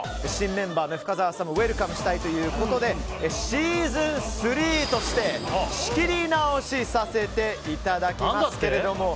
新メンバーの深澤さんをウェルカムしたいということでシーズン３として仕切り直しさせていただきます。